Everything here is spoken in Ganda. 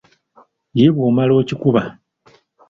Ye bw’omala okikuba